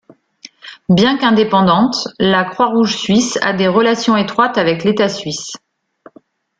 Bien qu’indépendante, la Croix-Rouge suisse a des relations étroites avec l’Etat suisse.